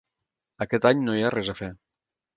Aquest any no hi ha res a fer.